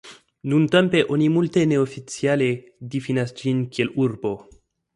Nuntempe oni multe neoficiale difinas ĝin kiel urbo.